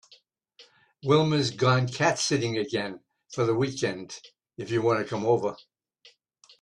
Wilma’s gone cat sitting again for the weekend if you want to come over.